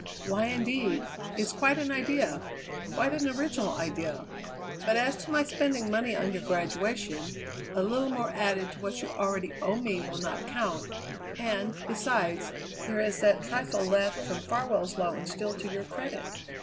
"Why, indeed? It's quite an idea. Quite an original idea. But as to my spending money on your graduation, a little more added to what you already owe me will not count, and, besides, there is that trifle left from Farwell's loan still to your credit."